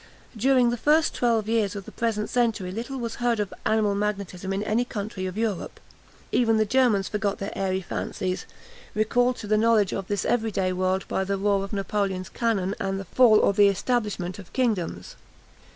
During the first twelve years of the present century little was heard of animal magnetism in any country of Europe. Even the Germans forgot their airy fancies, recalled to the knowledge of this every day world by the roar of Napoleon's cannon and the fall or the establishment of kingdoms.